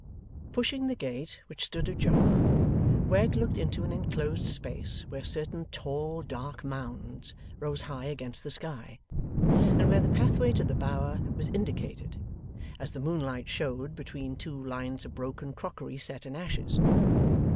Pushing the gate, which stood ajar, Wegg looked into an enclosed space where certain tall dark mounds rose high against the sky, and where the pathway to the Bower was indicated, as the moonlight showed, between two lines of broken crockery set in ashes.